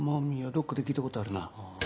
どっかで聞いたことあるな。